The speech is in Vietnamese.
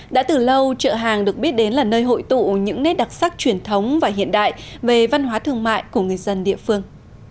đã từ lâu chợ hàng được biết đến là nơi hội tụ những nét đặc sắc truyền thống và hiện đại về văn hóa thương mại của người dân địa phương